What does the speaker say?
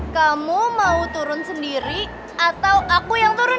kamu mau turun sendiri atau aku yang turun